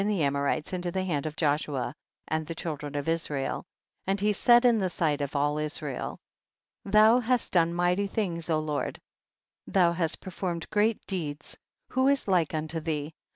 261 the Amorites into the hand of Joshua and the children of Israel, and he said in the sight of all Israel, 2. Thou hast done mighty things, O Lord, thou hast performed great deeds ; who is like unto thee